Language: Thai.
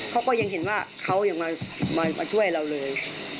เขาก็ยังเห็นว่าเขายังมาช่วยเราเลย